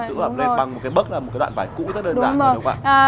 tự hút ẩm lên bằng một cái bấc là một cái đoạn vải cũ rất đơn giản đúng không ạ